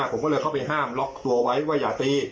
ผมก็เลยเข้าไปห้ามล็อกตัวไว้ว่าอย่าตี